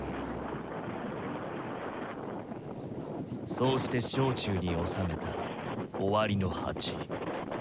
そうして掌中に収めた「終わりの鉢」。